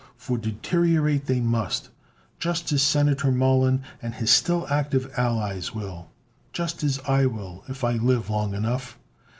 For deteriorate they must, just as Senator Mollon and his still active allies will. Just as I will, if I live long enough.